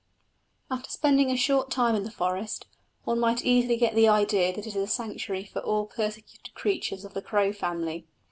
After spending a short time in the forest, one might easily get the idea that it is a sanctuary for all the persecuted creatures of the crow family.